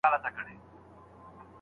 میرمنې باید بې احترامي ونه کړي.